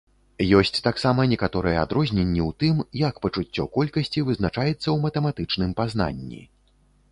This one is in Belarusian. Ёсць таксама некаторыя адрозненні ў тым, як пачуццё колькасці вызначаецца ў матэматычным пазнанні.